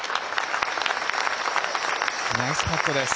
ナイスパットです。